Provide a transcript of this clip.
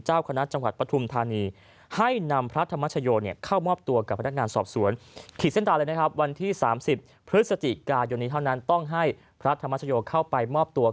เจ้าคณะจังหวัดปฐุมธานี